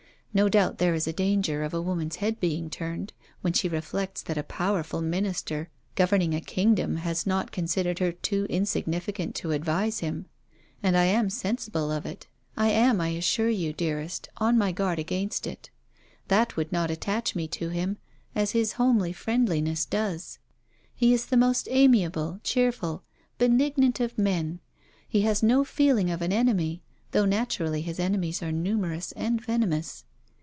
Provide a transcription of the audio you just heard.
No doubt there is a danger of a woman's head being turned, when she reflects that a powerful Minister governing a kingdom has not considered her too insignificant to advise him; and I am sensible of it. I am, I assure you, dearest, on my guard against it. That would not attach me to him, as his homely friendliness does. He is the most amiable, cheerful, benignant of men; he has no feeling of an enemy, though naturally his enemies are numerous and venomous.